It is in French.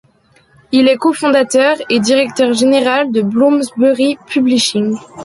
Il est le co-fondateur et directeur général de Bloomsbury Publishing.